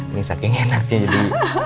ini saking enaknya jadi